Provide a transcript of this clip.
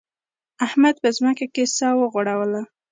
احمد په ځمکه کې سا وغوړوله.